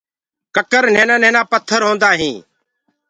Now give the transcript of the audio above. ڪڪر سنهآ سنهآ پٿر هوندآ هينٚ۔